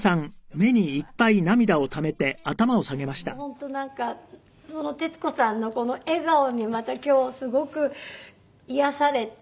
本当なんか徹子さんのこの笑顔にまた今日すごく癒やされて。